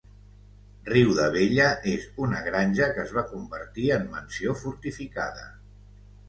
Riudabella és una granja que es va convertir en mansió fortificada.